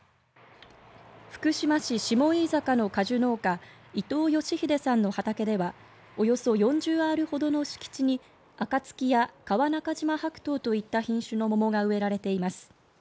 福島市下飯坂の果樹農家伊藤由英さんの畑ではおよそ４０アールほどの敷地にあかつきや川中島白桃といった品種の桃が植えられています。